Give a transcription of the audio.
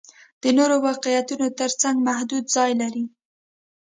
د نورو واقعیتونو تر څنګ محدود ځای لري.